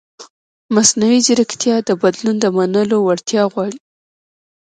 مصنوعي ځیرکتیا د بدلون د منلو وړتیا غواړي.